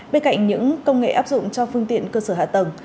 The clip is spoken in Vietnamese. bên cạnh những công nghệ áp dụng cho phương tiện cơ sở hạ tầng